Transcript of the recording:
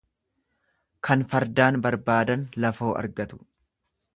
Kan fardaan barbaadan laafoo argatu.